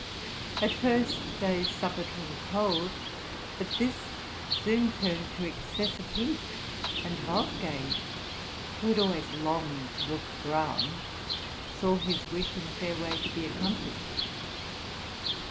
At first they suffered from cold, but this soon turned to excessive heat, and Wolfgang, who had always longed to look brown, saw his wish in a fair way to be accomplished.